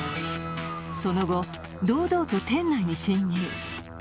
その後、堂々と店内に侵入。